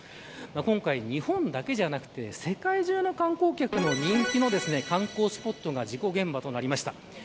今回、日本だけではなく世界中の観光客に人気の観光スポットが事故現場となりました。